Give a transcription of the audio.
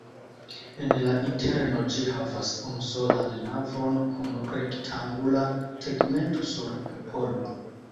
En la interno ĝi havas unusolan navon kun rektangula tegmento sur kupolo.